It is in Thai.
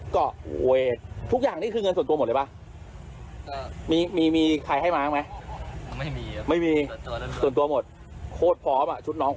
ไฟชายไฟใช้ได้จริงไหมใช้ได้เออใช้ได้จริง